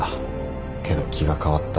けど気が変わった。